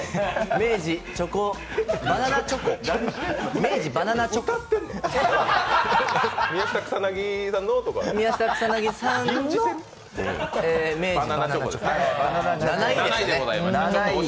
明治バナナチョコは７位でございます。